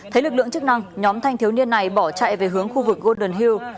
thấy lực lượng chức năng nhóm thanh thiếu niên này bỏ chạy về hướng khu vực golden hill